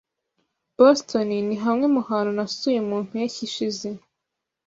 Boston ni hamwe mu hantu nasuye mu mpeshyi ishize.